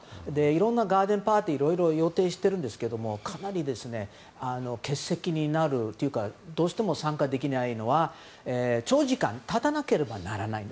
いろんなガーデンパーティーを予定してるんですけどもかなり欠席になるというかどうしても参加できないのは長時間、立たなければならない。